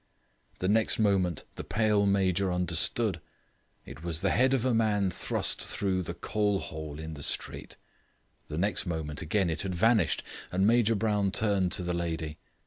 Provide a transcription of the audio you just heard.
The next moment the pale Major understood. It was the head of a man thrust through the coal hole in the street. The next moment, again, it had vanished, and Major Brown turned to the lady.